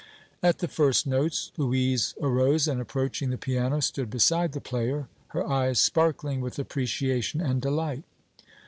At the first notes Louise arose and approaching the piano stood beside the player, her eyes sparkling with appreciation and delight.